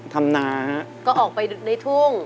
ทำนาครับก็ออกไปในทุ่ง